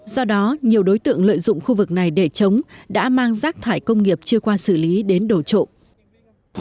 do đó nhiều đối tượng lợi dụng khu vực này để chống đã mang rác thải công nghiệp chưa qua xử lý đến đổ trộm